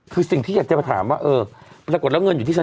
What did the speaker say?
คือสิ่งที่อยากจะมาถามว่าเออปรากฏแล้วเงินอยู่ที่ฉัน